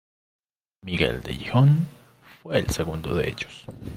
Miguel de Gijón fue el segundo de ellos.